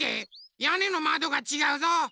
やねのまどがちがうぞ！